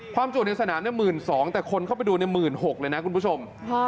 จวดในสนาม๑๒๐๐แต่คนเข้าไปดู๑๖๐๐เลยนะคุณผู้ชม